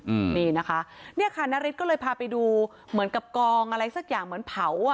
อืมนี่นะคะเนี่ยค่ะนาริสก็เลยพาไปดูเหมือนกับกองอะไรสักอย่างเหมือนเผาอ่ะ